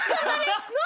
何？